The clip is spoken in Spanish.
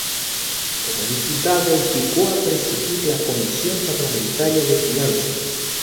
Como diputado, llegó a presidir la Comisión parlamentaria de Finanzas.